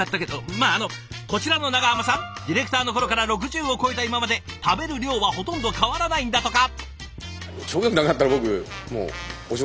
まああのこちらの長濱さんディレクターの頃から６０を超えた今まで食べる量はほとんど変わらないんだとか。